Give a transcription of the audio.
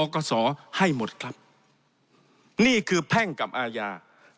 กศให้หมดครับนี่คือแพ่งกับอาญา